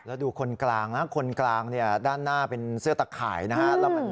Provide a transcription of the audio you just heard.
แล้วดูคนกลางนะคนกลางเนี่ยด้านหน้าเป็นเสื้อตะข่ายนะฮะ